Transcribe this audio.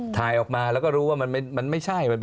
ถ่ายออกมาแล้วก็รู้ว่ามันไม่ใช่